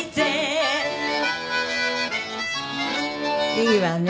いいわね